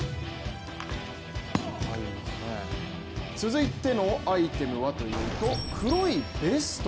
続いてのアイテムはというと黒いベスト。